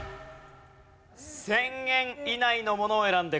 １０００円以内のものを選んでください。